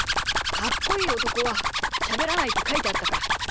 かっこいいおとこはしゃべらないってかいてあったから。